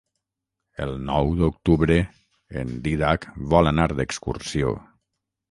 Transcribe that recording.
El nou d'octubre en Dídac vol anar d'excursió.